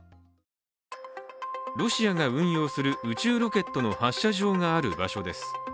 ロシアが運用する宇宙ロケットの発射場がある場所です。